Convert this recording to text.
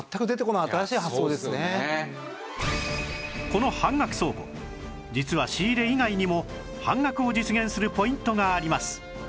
この半額倉庫実は仕入れ以外にも半額を実現するポイントがあります